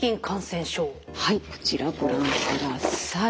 はいこちらご覧ください。